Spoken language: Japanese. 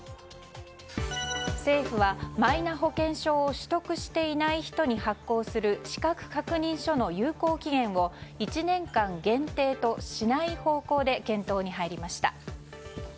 政府はマイナ保険証を取得していない人に発行する資格確認書の有効期限を１年間限定としない方向で検討に入りました。